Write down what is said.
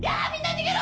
逃げろ！